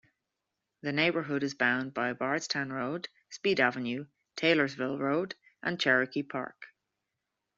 The neighborhood is bound by Bardstown Road, Speed Avenue, Taylorsville Road, and Cherokee Park.